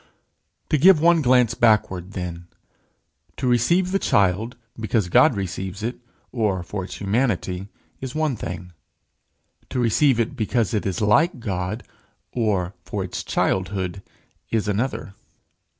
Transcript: To give one glance backward, then: To receive the child because God receives it, or for its humanity, is one thing; to receive it because it is like God, or for its childhood, is another.